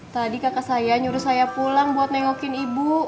tadi kakak saya nyuruh saya pulang buat nengokin ibu